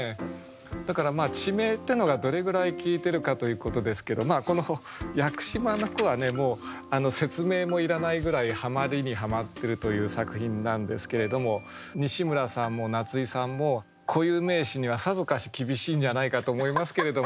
だから地名っていうのがどれぐらい効いてるかということですけどこの「屋久島」の句はねもう説明もいらないぐらいハマりにハマってるという作品なんですけれども西村さんも夏井さんも固有名詞にはさぞかし厳しいんじゃないかと思いますけれども。